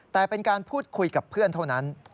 แต่เป็นการพูดคุยกับเพื่อนเท่านั้น